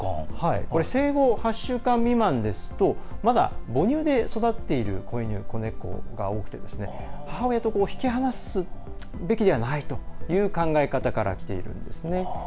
生後８週間未満ですとまだ母乳で育っている子犬や子猫が多くてですね母親と引き離すべきではないという考え方からきているんですね。